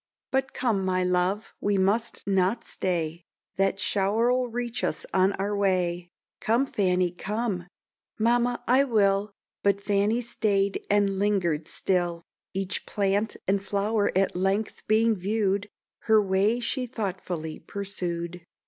But come, my love, we must not stay, That show'r will reach us on our way; Come, Fanny, come," "Mamma, I will," But Fanny staid and linger'd still; Each plant and flower at length being view'd, Her way she thoughtfully pursu'd.